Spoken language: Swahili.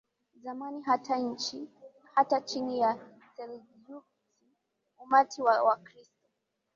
zamani Hata chini ya Seljuks umati wa Wakristo